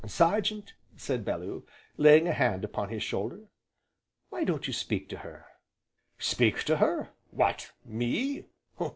"Sergeant," said Bellew, laying a hand upon his shoulder, "why don't you speak to her?" "Speak to her, what me!